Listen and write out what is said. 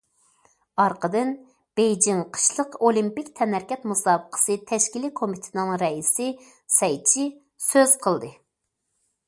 ئارقىدىن، بېيجىڭ قىشلىق ئولىمپىك تەنھەرىكەت مۇسابىقىسى تەشكىلىي كومىتېتىنىڭ رەئىسى سەي چى سۆز قىلدى.